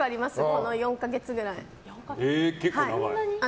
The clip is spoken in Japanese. この４か月ぐらい。